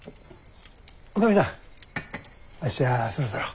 女将さんあっしはそろそろ。